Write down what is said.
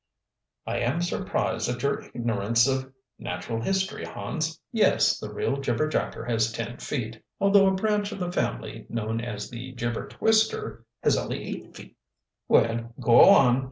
"I am surprised at your ignorance of natural history, Hans. Yes, the real jibberjacker has ten feet, although a branch of the family, known as the jibbertwister, has only eight feet." "Well, go on.